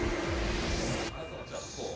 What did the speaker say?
あとはじゃあ向こう。